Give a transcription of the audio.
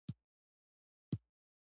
پښتونولي د پښتنو ویاړ ده.